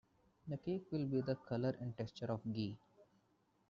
The cake will be the colour and texture of ghee.